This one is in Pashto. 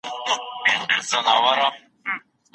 د مطالعې مينه بايد په ماشومانو کي پيدا سي.